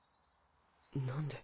何で。